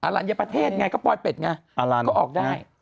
อลัญญประเทศไงก็ปลอยเป็ดไงก็ออกได้